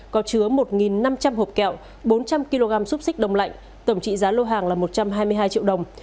có chứa một năm trăm linh hộp kẹo bốn trăm linh kg xúc xích đông lạnh tổng trị giá lô hàng là một trăm hai mươi hai triệu đồng